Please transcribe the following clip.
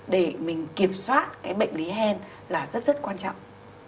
để mình kiểm soát cái bệnh lý hen là rất rất quan trọng